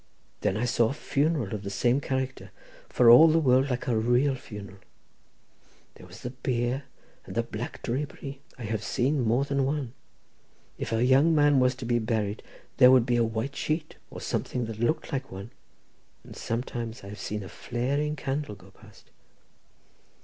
Then I saw a funeral of the same character, for all the world like a real funeral; there was the bier and the black drapery. I have seen more than one. If a young man was to be buried there would be a white sheet, or something that looked like one—and sometimes I have seen a flaring candle going past.